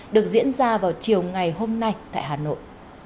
được diễn ra vào chiều ngày hôm nay tại hà nội